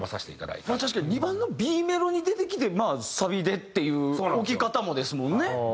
確かに２番のＢメロに出てきてサビでっていう置き方もですもんね。